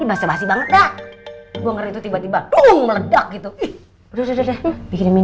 aku masuk gara gara apa gak ngerti juga gue pokoknya senyum aja tuh kayak dipaksain